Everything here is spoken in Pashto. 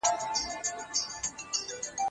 باید د ټولنیزې هوساینې لپاره پروژې پلې سي.